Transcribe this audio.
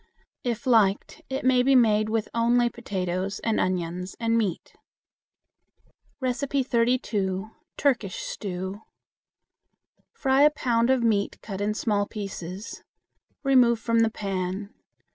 If liked, it may be made with only potatoes and onions and meat. 32. Turkish Stew. Fry a pound of meat cut in small pieces. Remove from the pan.